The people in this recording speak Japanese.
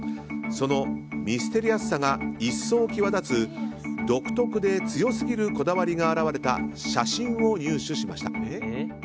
そのミステリアスさが一層際立つ独特で強すぎるこだわりが現れた写真を入手しました。